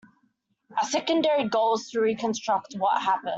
Our secondary goal is to reconstruct what happened.